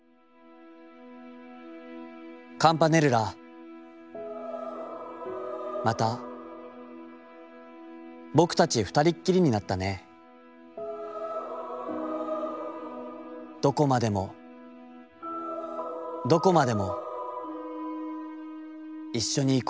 「『カムパネルラ、また僕たち二人っきりになったねえ、どこまでもどこまでも一緒に行かう。